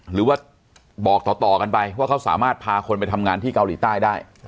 หรือว่าบอกต่อกันไปว่าเขาสามารถพาคนไปทำงานที่เกาหลีใต้ได้